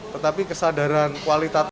tetapi kesadaran kualitatif